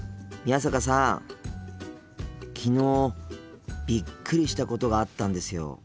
昨日びっくりしたことがあったんですよ。